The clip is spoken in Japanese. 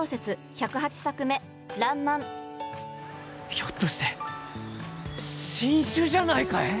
１０８作目ひょっとして新種じゃないかえ？